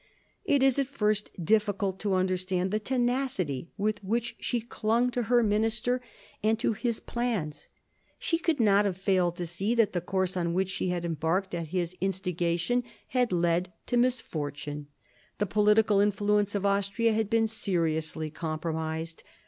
It is at first difficult to understand the tenacity with which she clung to her minister and to 1760 63 THE SEVEN YEARS' WAR 185 his plans. She could not have failed to see that the / course on which she had embarked at his instigation had led to misfortune. The political influence of Austria had been seriously compromised.